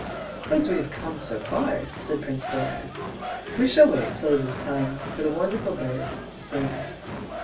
" Since we have conie so far,' said Prince Doran, " we shall wait till it is time for the wonderful bird to sing."